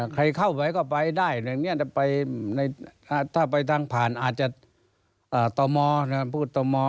ใครเข้าไปก็ไปได้แต่ถ้าไปทางผ่านอาจจะต่อมอบ